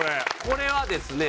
これはですね